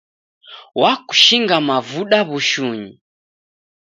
Wakushinga mavuda w'ushunyi